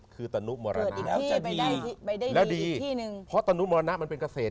คือตนุมรณินแล้วดีเพราะตนุมรณะมันเป็นเกษตร